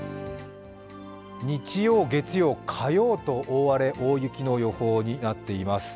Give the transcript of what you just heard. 日曜、月曜、火曜と、大荒れ、大雪の予報になっています。